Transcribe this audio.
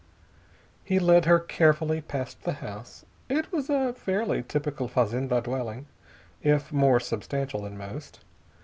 He led her carefully past the house. It was a fairly typical fazenda dwelling, if more substantial than most.